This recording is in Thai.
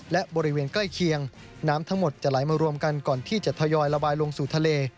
และบริเวณใกล้เคียงน้ำทั้งหมดจะไหลมารวมกันก่อนที่จะทยอยระบายลงสู่ทะเล